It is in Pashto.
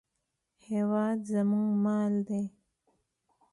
هېواد زموږ مال دی